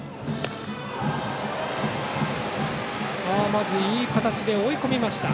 まずいい形で追い込みました。